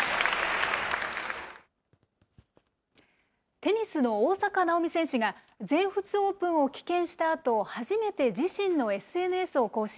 テニスの大坂なおみ選手が、全仏オープンを棄権したあと初めて自身のＳＮＳを更新。